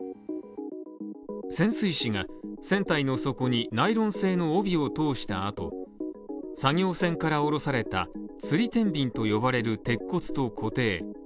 潜水士が船体の底にナイロン製の帯を通したあと作業船から下ろされた吊り天秤と呼ばれる鉄骨と固定。